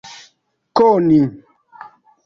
koni